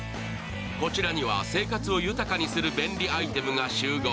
こちらには生活を豊かにする便利アイテムが集合。